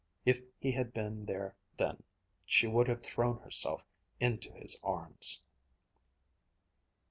If he had been there then, she would have thrown herself into his arms.